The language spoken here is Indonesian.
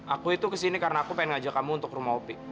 aku itu kesini karena aku pengen ngajak kamu untuk rumah opi